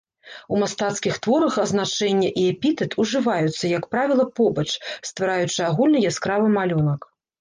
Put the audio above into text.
У мастацкіх творах азначэнне і эпітэт ужываюцца, як правіла, побач, ствараючы агульны яскравы малюнак.